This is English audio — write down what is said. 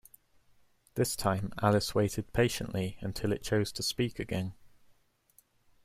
This time Alice waited patiently until it chose to speak again.